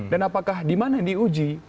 dan apakah dimana diuji